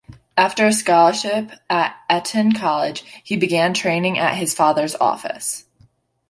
After a scholarship at Eton College, he began training at his father's office.